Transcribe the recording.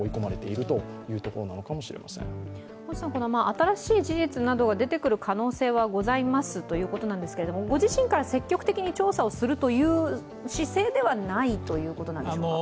新しい事実などが出てくる可能性はございますということですがご自身から積極的に調査をするという姿勢ではないということなんですか？